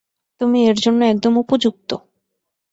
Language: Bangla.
তুমি এর জন্য একদম উপযুক্ত!